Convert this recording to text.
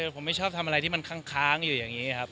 ผมไม่ชอบทำอะไรที่มันค้างอยู่อย่างนี้ครับ